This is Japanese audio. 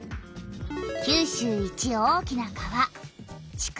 九州一大きな川「筑後川」。